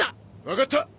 分かった！